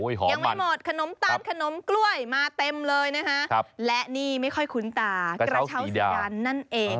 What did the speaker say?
ยังไม่หมดขนมตาลขนมกล้วยมาเต็มเลยนะคะและนี่ไม่ค่อยคุ้นตากระเช้าสีดานนั่นเอง